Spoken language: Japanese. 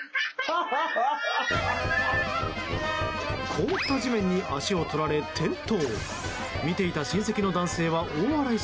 凍った地面に足を取られ転倒。